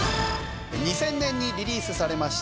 ２０００年にリリースされました